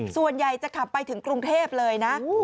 ส่วนใหญ่จะขับไปถึงกรุงเทพเลยนะ